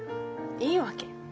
いいわけ。